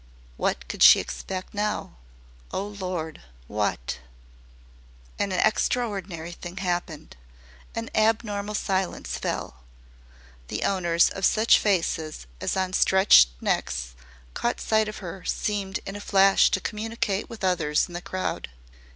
What could she expect now O Lord, what? An extraordinary thing happened. An abnormal silence fell. The owners of such faces as on stretched necks caught sight of her seemed in a flash to communicate with others in the crowd.